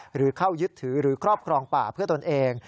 หรือเข้ายึดถือหรือครอบครองป่าเพื่อตนเอง